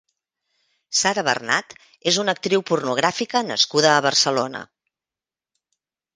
Sara Bernat és una actriu pornogràfica nascuda a Barcelona.